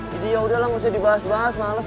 kalau silamat siang gimana